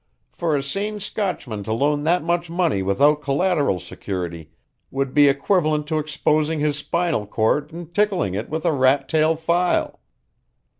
For a sane Scotchman to loan that much money without collateral security would be equivalent to exposing his spinal cord and tickling it with a rat tail file."